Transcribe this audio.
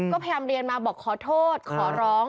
ก็พยายามเรียนมาบอกขอโทษขอร้อง